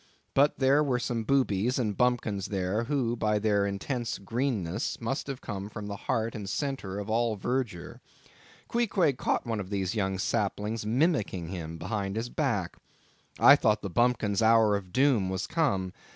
But there were some boobies and bumpkins there, who, by their intense greenness, must have come from the heart and centre of all verdure. Queequeg caught one of these young saplings mimicking him behind his back. I thought the bumpkin's hour of doom was come.